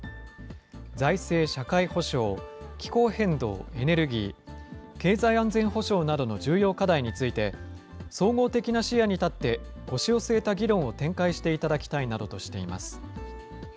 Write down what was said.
財政・社会保障、気候変動・エネルギー、経済・安全保障などの重要課題について、総合的な視野に立って、腰を据えた議論を展開していただきたいなどとしています。